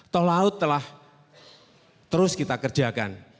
tol laut telah terus kita kerjakan